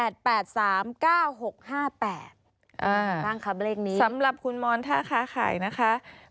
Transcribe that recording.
ตั้งคำเลขนี้สำหรับคุณมอนถ้าค้าขายนะคะ